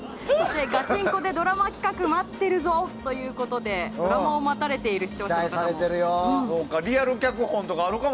ガチンコでドラマ企画待ってるぞということでドラマを待たれている視聴者の方も。